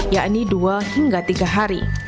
yakni dua hingga tiga hari